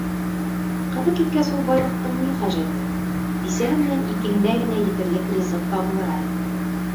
Ҡыҙы киткәс ул байлыҡтың ни хәжәте, бисәһе менән икеһенә генә етерлек ризыҡ табылыр әле.